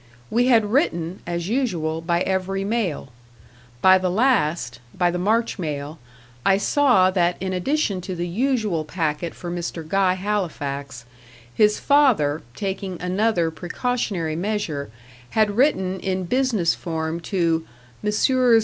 We had written, as usual, by every mail. By the last by the March mail, I saw that in addition to the usual packet for Mr. Guy Halifax his father, taking another precautionary measure, had written in business form to "Messrs.